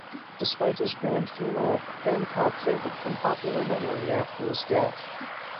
Despite his grand funeral, Hancock faded from popular memory after his death.